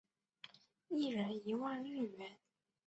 一人一万日元